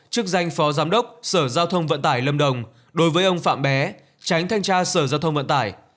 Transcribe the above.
chức danh phó giám đốc sở giao thông vận tải lâm đồng đối với ông phạm bé tránh thanh tra sở giao thông vận tải